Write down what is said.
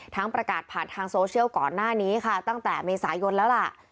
ประกาศผ่านทางโซเชียลก่อนหน้านี้ค่ะตั้งแต่เมษายนแล้วล่ะ